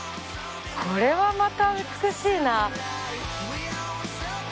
これはまた美しいな！